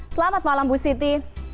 selamat malam bu siti